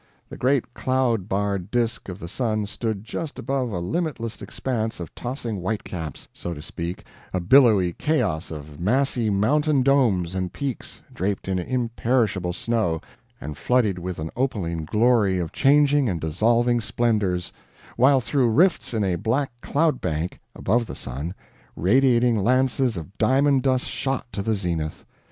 The great cloud barred disk of the sun stood just above a limitless expanse of tossing white caps so to speak a billowy chaos of massy mountain domes and peaks draped in imperishable snow, and flooded with an opaline glory of changing and dissolving splendors, while through rifts in a black cloud bank above the sun, radiating lances of diamond dust shot to the zenith.